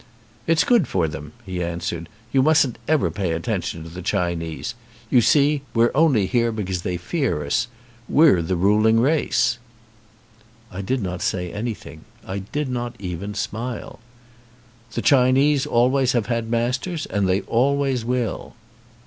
"It's good for them," he answered. "You mustn't ever pay attention to the Chinese. You see, we're only here because they fear us. We're the ruling race." I did not say anything. I did not even smile. "The Chinese always have had masters and they always will."